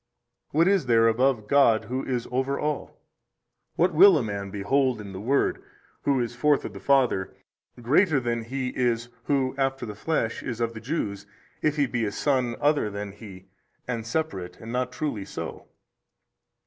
what is there above God Who is over all? what will a man behold in the Word Who is forth of the Father greater than he is who after the flesh is of the Jews if he be a son other than He and separate and not truly so?